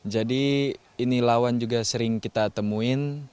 jadi ini lawan juga sering kita temuin